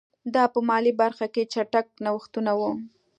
دا په مالي برخه کې چټک نوښتونه وو.